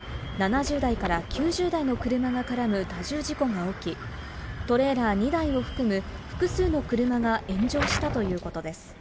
地元当局によりますと、砂嵐による視界不良で７０台から９０台の車が絡む多重事故が起き、トレーラー２台を含む複数の車が炎上したということです。